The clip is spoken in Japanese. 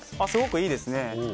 すごくいいですね。